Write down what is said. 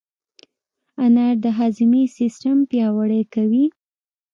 انار د هاضمې سیستم پیاوړی کوي.